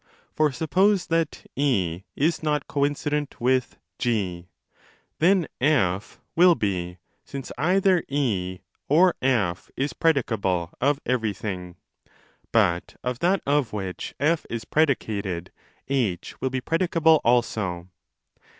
For suppose that & is not coincident with G, then F will be, since either & or F is predicable of everything. But of that of which 27 is predicated H will be predicable also.